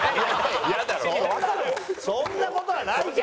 そんな事はないけど！